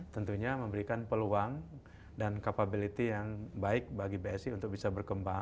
tentunya memberikan peluang dan capability yang baik bagi bsi untuk bisa berjalan ke sana